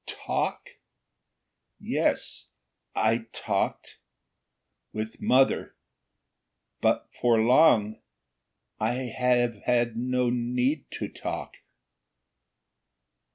"Talk? Yes. I talked with mother. But for long I have had no need to talk."